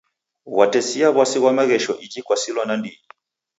Ghwatesia w'asi ghwa maghesho iji kwasilwa nandighi.